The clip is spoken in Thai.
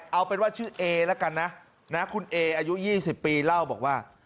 เอาเป็นว่าชื่อเอละกันนะคุณเออายุ๒๐ปีเล่าบอกว่า